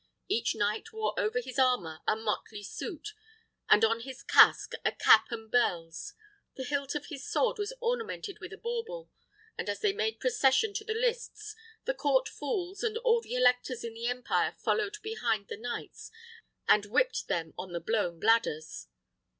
Each knight wore over his armour a motley suit, and on his casque a cap and bells; the hilt of his sword was ornamented with a bauble, and as they made procession to the lists, the court fools of all the electors in the empire followed behind the knights, and whipped them on with blown bladders."